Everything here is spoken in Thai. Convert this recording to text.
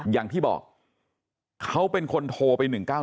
อย่างที่บอกเขาเป็นคนโทรไป๑๙๑